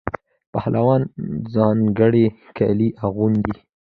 پهلوانان ځانګړي کالي اغوندي.